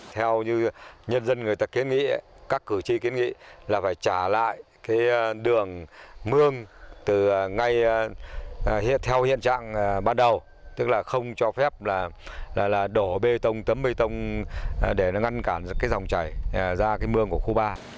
nếu như nhân dân người ta kiến nghĩ các cử tri kiến nghĩ là phải trả lại đường mương theo hiện trạng ban đầu tức là không cho phép đổ bê tông tấm bê tông để ngăn cản dòng chảy ra mương của khu ba